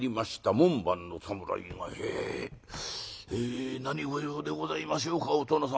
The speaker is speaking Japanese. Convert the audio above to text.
門番の侍が「へい。何ご用でございましょうかお殿様」。